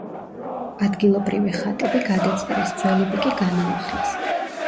ადგილობრივი ხატები გადაწერეს, ძველები კი განაახლეს.